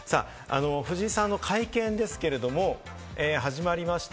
藤井さんの会見ですけれども、始まりました。